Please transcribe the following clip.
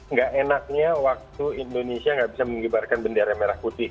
nggak enaknya waktu indonesia nggak bisa mengibarkan bendera merah putih